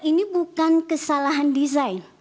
ini bukan kesalahan desain